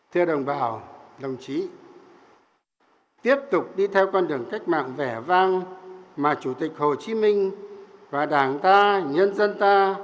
thưa đồng bào đồng chí tiếp tục đi theo con đường cách mạng vẻ vang mà chủ tịch hồ chí minh và đảng ta nhân dân ta